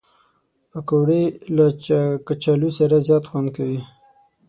پکورې له کچالو سره زیات خوند کوي